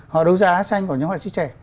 họ đấu giá tranh của những họa sĩ trẻ